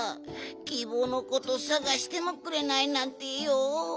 キー坊のことさがしてもくれないなんてよう。